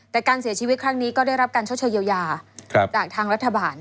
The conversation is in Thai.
แต่การเสียชีวิตครั้งนี้ก็ได้รับการชดเชยเยียวยาจากทางรัฐบาล